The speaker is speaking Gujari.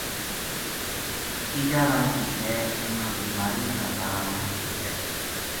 تیجا رنگ کی شے ہم نا بیماریاں کا بارہ ما دسے۔